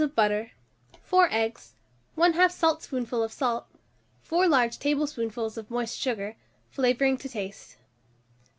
of butter, 4 eggs, 1/2 saltspoonful of salt, 4 large tablespoonfuls of moist sugar, flavouring to taste.